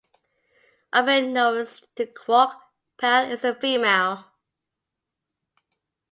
Unbeknownst to Quark, Pel is a female.